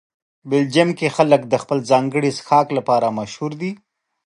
بلجیم کې خلک د خپل ځانګړي څښاک لپاره مشهوره دي.